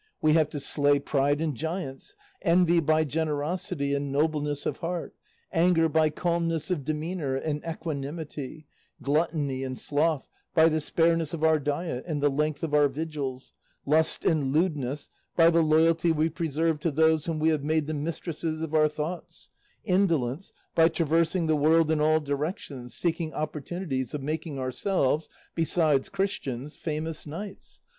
We have to slay pride in giants, envy by generosity and nobleness of heart, anger by calmness of demeanour and equanimity, gluttony and sloth by the spareness of our diet and the length of our vigils, lust and lewdness by the loyalty we preserve to those whom we have made the mistresses of our thoughts, indolence by traversing the world in all directions seeking opportunities of making ourselves, besides Christians, famous knights.